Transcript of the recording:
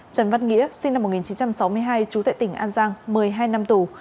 trần văn nghĩa sinh năm một nghìn chín trăm sáu mươi hai trú tại tỉnh an giang một mươi hai năm tù